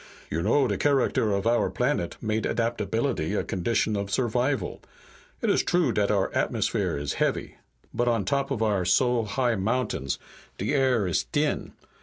You know de character of our planet made adaptability a condition of survival. It is true dat our atmosphere is heavy, but on top of our so high mountains de air is t'in.